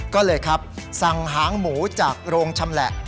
ก็เลยครับสั่งหางหมูจากโรงชำแหละ